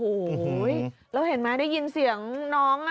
โอ้โหเราเห็นมั้ยได้ยินเสียงน้องอ่ะ